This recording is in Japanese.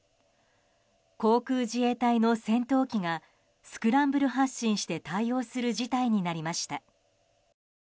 航空自衛隊の戦闘機がスクランブル発進して対応する事態になりました。